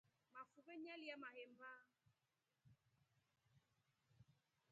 Mafuve nyalya mahemba.